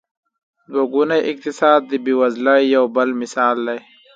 دوه ګونی اقتصاد د بېوزلۍ یو بل مثال دی.